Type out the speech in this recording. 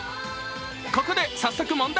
ここで早速、問題。